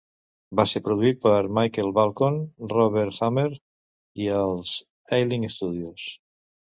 Va ser produït per Michael Balcon, Robert Hamer i els Ealing Studios.